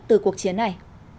từ cuộc chiến này